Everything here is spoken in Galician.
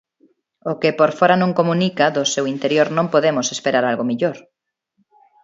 O que por fóra non comunica, do seu interior non podemos esperar algo mellor.